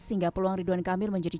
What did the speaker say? sehingga peluang ridwan kamil menjadi